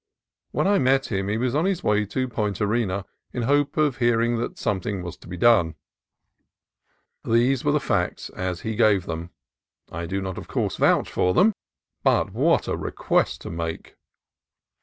When I met him he was on his way to Point Arena in hope of hearing that something was to be done. These were the facts as he gave them. I do not, of course, vouch for them. But what a request to have to make